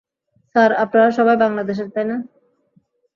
Sir, আপনারা সবাই বাংলাদেশের, তাই না?